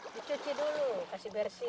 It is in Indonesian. dicuci dulu kasih bersih